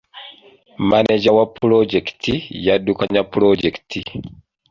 Maneja wa pulojekiti y'addukanya pulojekiti.